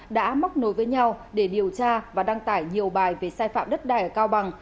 đã móc nối với nhau để điều tra và đăng tải nhiều bài về sai phạm đất đai ở cao bằng